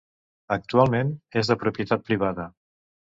Actualment és de propietat privada.